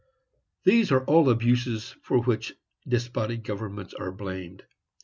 These are all abuses for which despotic governments are blamed.